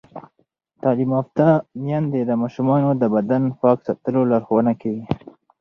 تعلیم یافته میندې د ماشومانو د بدن پاک ساتلو لارښوونه کوي.